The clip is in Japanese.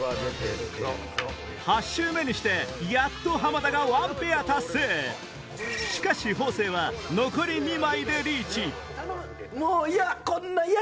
８周目にしてやっと浜田がワンペア達成しかし方正は残り２枚でリーチもう嫌！